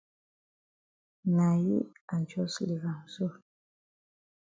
Na yi I jus leave am so.